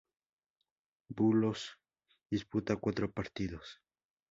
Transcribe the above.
Bulos disputó cuatro partidos.